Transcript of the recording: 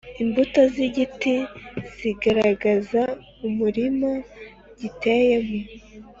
Imbuto z’igiti zigaragaza umurima giteyemo,